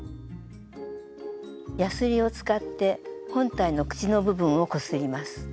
やすりを使って本体の口の部分をこすります。